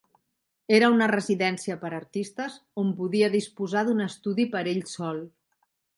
Era una residència per a artistes, on podia disposar d'un estudi per ell sol.